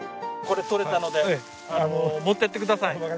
これ取れたので持っていってください。